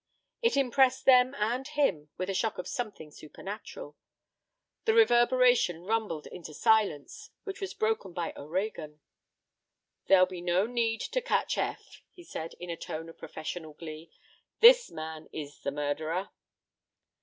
It impressed them and him with a shock of something supernatural. The reverberation rumbled into silence, which was broken by O'Reagan: "There'll be no need to catch Eph," he said, in a tone of professional glee. "This man is the murderer."